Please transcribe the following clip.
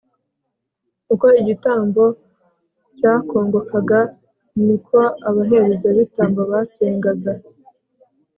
uko igitambo cyakongokaga, ni na ko abaherezabitambo basengaga